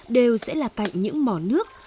đều sẽ là cạnh những mỏ nước